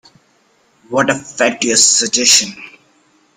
What a fatuous suggestion!